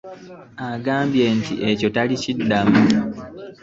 Agambye mbu ekyo talikiddamu.